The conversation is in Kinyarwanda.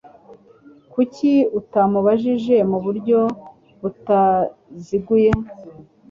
Kuki utamubajije mu buryo butaziguye?